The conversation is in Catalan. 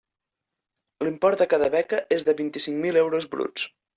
L'import de cada beca és de vint-i-cinc mil euros bruts.